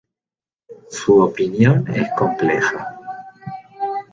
Su opinión es compleja.